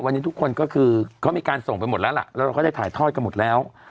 วันนี้ทุกคนก็คือเขามีการส่งไปหมดแล้วล่ะแล้วเราก็ได้ถ่ายทอดกันหมดแล้ว